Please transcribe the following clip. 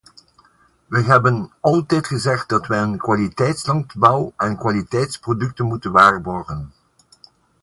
Wij hebben altijd gezegd dat wij een kwaliteitslandbouw en kwaliteitsproducten moeten waarborgen.